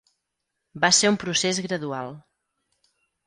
Va ser un procés gradual.